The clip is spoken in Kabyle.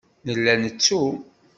Nella nettu.